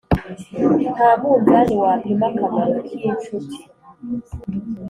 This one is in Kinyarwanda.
nta munzani wapima akamaro kimshuti